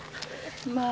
まあ